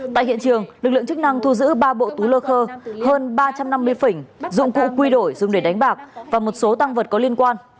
tại hiện trường lực lượng chức năng thu giữ ba bộ túi lơ khơ hơn ba trăm năm mươi phỉnh dụng cụ quy đổi dùng để đánh bạc và một số tăng vật có liên quan